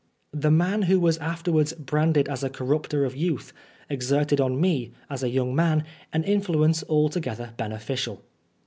The man who was afterwards branded as a corrupter of youth exerted on me, as a young man, an influence altogether beneficial.